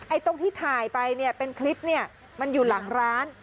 ไอ้ตรงที่ถ่ายไปเป็นคลิปนี่มันอยู่หลังร้าน